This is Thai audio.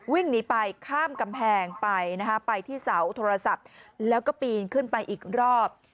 วิ่งหนีไปข้ามกำแพงไปนะคะไปที่เสาโทรศัพท์แล้วก็ปีนขึ้นไปอีกรอบ